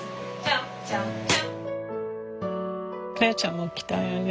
來愛ちゃんも来たよね